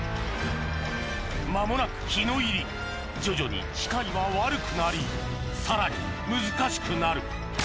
間もなく日の入り徐々に視界は悪くなりさらに難しくなる